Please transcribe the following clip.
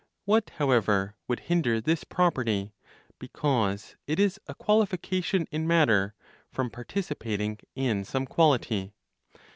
What, however, would hinder this property, because it is a qualification in matter, from participating in some quality?